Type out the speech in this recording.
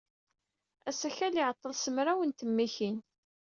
Asakal iɛeḍḍel s mraw n tmikin.